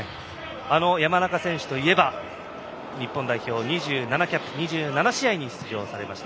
山中選手といえば日本代表２７キャップ２７試合に出場されました。